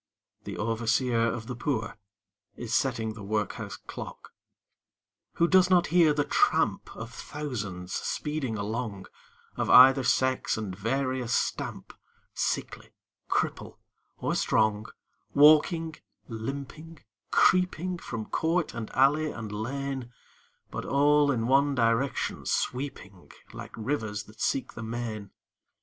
the Overseer of the Poor Is setting the Workhouse Clock. Who does not hear the tramp Of thousands speeding along Of either sex and various stamp, Sickly, cripple, or strong, Walking, limping, creeping From court and alley, and lane, But all in one direction sweeping Like rivers that seek the main?